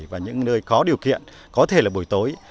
và những nơi có điều kiện có thể là buổi tối